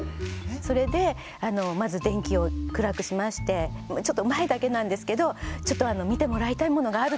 それでまず電気を暗くしましてちょっと前だけなんですけどちょっと見てもらいたいものがあると。